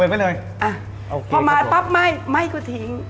เปิดไว้เลยพอมาปั๊บไหม้ก็ทิ้ง